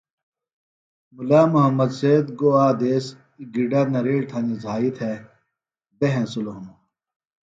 مُلا محمد سید گو آک دیس گِڈہ نڑیل تھنیۡ زھائی تھےۡ بےۡ ہینسِلوۡ ہِنوۡ